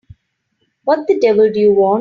What the devil do you want?